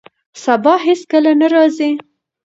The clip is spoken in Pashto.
سبا هیڅکله نه راځي.